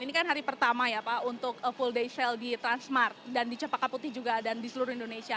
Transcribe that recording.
ini kan hari pertama ya pak untuk full day sale di transmart dan di cempaka putih juga dan di seluruh indonesia